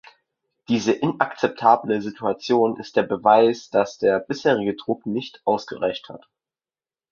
Diese inakzeptable Situation ist der Beweis, dass der bisherige Druck nicht ausgereicht hat.